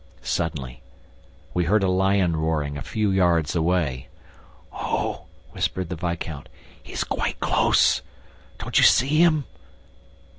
Suddenly, we heard a lion roaring a few yards away. "Oh," whispered the viscount, "he is quite close! ... Don't you see him?